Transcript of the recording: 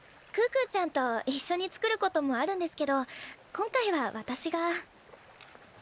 可可ちゃんと一緒に作ることもあるんですけど今回は私が。